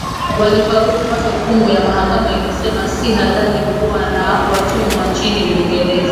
Walifaulu kupata hukumu ya mahakama iliyosema si halali kuwa na watumwa nchini Uingereza